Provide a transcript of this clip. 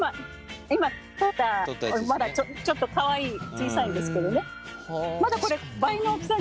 今とったまだちょっとかわいい小さいんですけどね。